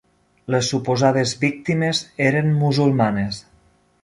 Les suposades víctimes eren musulmanes.